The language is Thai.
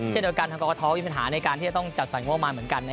เช่นโดยการทำกองทุนมีปัญหาในการที่จะต้องจัดสรรความมากเหมือนกัน